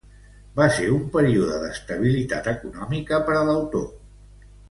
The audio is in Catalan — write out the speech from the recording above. Va ser un període d'estabilitat econòmica per a l'autor.